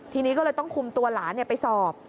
ทีนี้ก็เลยต้องคุมตัวหลานไปสอบ